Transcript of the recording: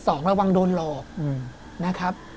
ระวังโดนหลอกนะครับ